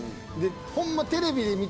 ホンマ。